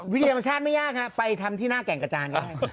ธรรมชาติไม่ยากฮะไปทำที่หน้าแก่งกระจานก็ได้